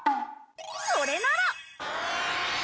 それなら！